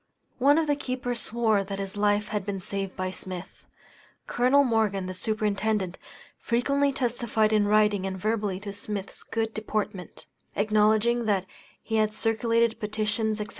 One of the keepers swore that his life had been saved by Smith. Col. Morgan, the Superintendent, frequently testified in writing and verbally to Smith's good deportment; acknowledging that he had circulated petitions, &c.